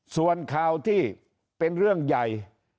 ส่วนข่าวที่เป็นเรื่องใหญ่